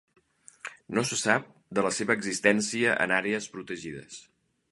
No se sap de la seva existència en àrees protegides.